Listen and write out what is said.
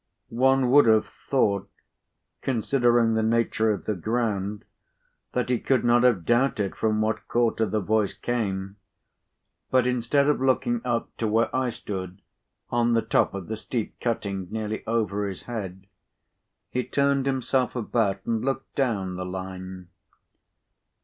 One would have thought, considering the nature of the ground, that he could not have doubted from what quarter the voice came; but, instead of looking up to where I stood on the top of the steep cutting nearly over his head, he turned himself about and looked down the Line.